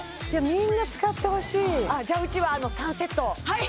みんな使ってほしいじゃうちは３セットお願いしますはい！